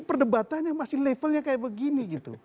perdebatannya masih levelnya seperti ini